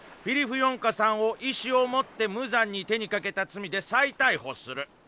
フィリフヨンカさんを意思を持って無残に手にかけた罪で再逮捕する。